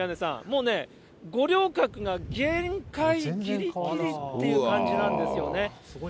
もうね、五稜郭が限界ぎりぎりっていう感じなんですよね。